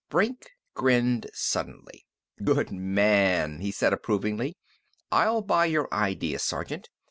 Brink grinned suddenly. "Good man!" he said approvingly. "I'll buy your idea, sergeant.